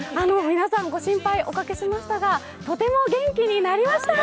皆さん、ご心配おかけしましたが、とても元気になりました。